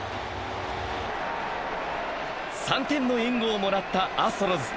３点の援護をもらったアストロズ。